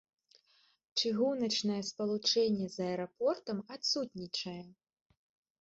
Чыгуначнае спалучэнне з аэрапортам адсутнічае.